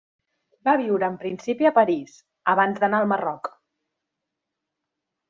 Va viure en principi a París, abans d'anar al Marroc.